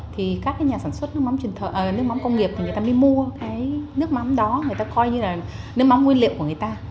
thì các nhà sản xuất nước mắm công nghiệp thì người ta mới mua cái nước mắm đó người ta coi như là nước mắm nguyên liệu của người ta